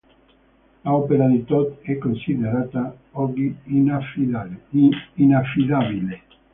L'opera di Tod è considerata oggi inaffidabile.